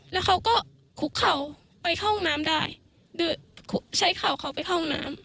แล้วเขาก็คุกเข่าไปเข้าห้องน้ำได้ใช้เข่าเขาไปเข้าห้องน้ำ